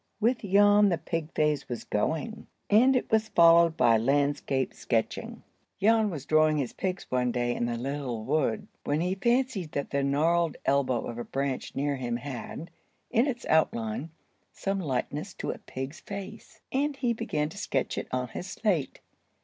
With Jan the pig phase was going, and it was followed by landscape sketching. Jan was drawing his pigs one day in the little wood, when he fancied that the gnarled elbow of a branch near him had, in its outline, some likeness to a pig's face, and he began to sketch it on his slate.